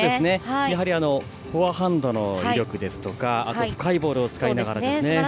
やはり、フォアハンドの威力ですとか深いボールを使いながら。